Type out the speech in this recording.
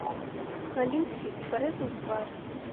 Галіўся і парэзаў твар.